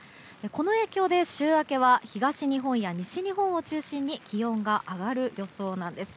この影響で、週明けは東日本や西日本を中心に気温が上がる予想なんです。